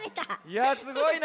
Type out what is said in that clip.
いやすごいな。